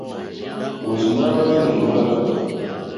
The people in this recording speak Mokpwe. Òrzìɲɛ́ hwá hwɛ́lɛ̀ èmólánà.